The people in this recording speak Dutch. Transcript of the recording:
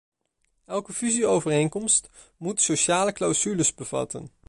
Elke fusieovereenkomst moet sociale clausules bevatten.